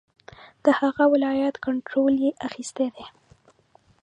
د هغه ولایت کنټرول یې اخیستی دی.